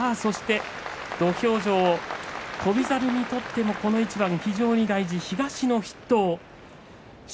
土俵上、翔猿にとってもこの一番、重要、東の筆頭。